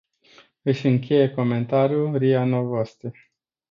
Își încheie comentariul Ria Novosti.